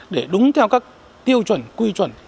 để đúng theo các tiêu chuẩn quy chuẩn